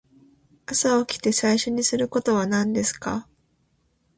朝起きて最初にすることは何ですか。